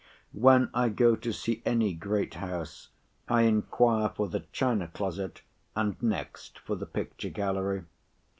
When I go to see any great house, I inquire for the china closet, and next for the picture gallery.